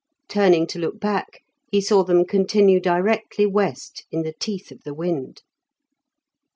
Turning to look back, he saw them continue directly west in the teeth of the wind.